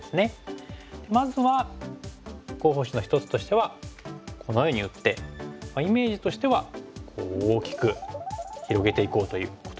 まずは候補手の一つとしてはこのように打ってイメージとしては大きく広げていこうということですね。